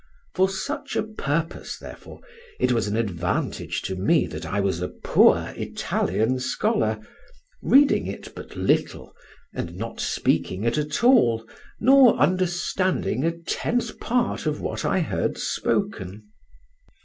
For such a purpose, therefore, it was an advantage to me that I was a poor Italian scholar, reading it but little, and not speaking it at all, nor understanding a tenth part of what I heard spoken.